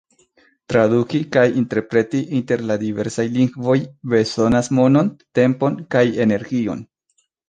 Traduki kaj interpreti inter la diversaj lingvoj bezonas monon, tempon kaj energion.